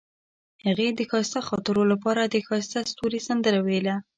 هغې د ښایسته خاطرو لپاره د ښایسته ستوري سندره ویله.